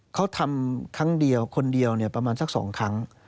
เขาทำครั้งเดียวคนเดียวประมาณสัก๒ครั้ง